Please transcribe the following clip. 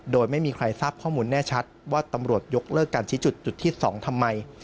โดยไม่มีใครทราบข้อมูลแน่ชัดว่าตำรวจยกเลิกการชี้จุดจุดที่๒ทำไม